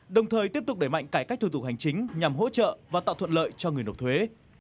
đồng thời tiếp tục đẩy mạnh cải cách thủ tục hành chính nhằm hỗ trợ và tạo thuận lợi cho người nộp thuế